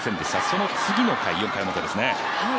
その次の回、４回の表ですね。